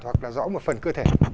hoặc là rõ một phần cơ thể